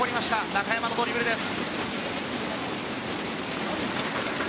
中山のドリブルです。